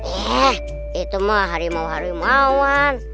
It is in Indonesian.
wah itu mah harimau harimauan